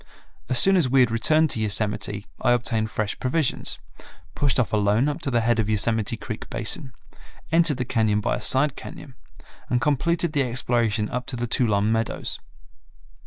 As soon as we had returned to Yosemite I obtained fresh provisions, pushed off alone up to the head of Yosemite Creek basin, entered the cañon by a side cañon, and completed the exploration up to the Tuolumne Meadows.